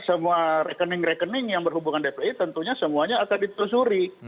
semua rekening rekening yang berhubungan fpi tentunya semuanya akan ditelusuri